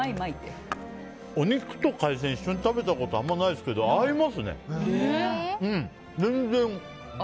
お肉と海鮮を一緒に食べたことあんまりないですけど合いますね。